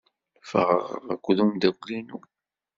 Ffɣeɣ akked umeddakel-inu.